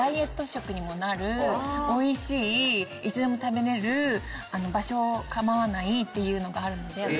食にもなるおいしいいつでも食べれる場所を構わないっていうのがあるので。